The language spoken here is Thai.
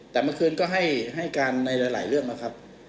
แต่เมื่อคืนก็ให้การในหลายเรื่องนะครับ